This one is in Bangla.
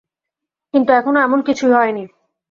কিন্তু এখনো এমন কিছুই হয়নি।